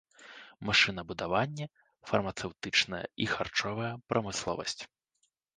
Машынабудаванне, фармацэўтычная і харчовая прамысловасць.